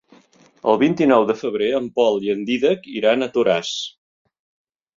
El vint-i-nou de febrer en Pol i en Dídac iran a Toràs.